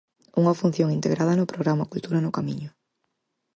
Unha función integrada no programa Cultura no Camiño.